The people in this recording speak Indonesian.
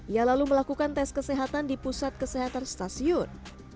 ia lalu melakukan tes kesehatan di pusat kesehatan stasiun